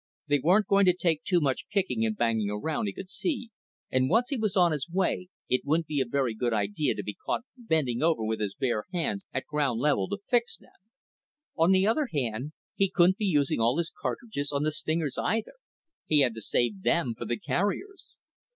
They weren't going to take too much kicking and banging around, he could see, and once he was on his way, it wouldn't be a very good idea to be caught bending over with his bare hands at ground level to fix them. On the other hand, he couldn't be using all his cartridges on the stingers, either, he had to save them for the carriers.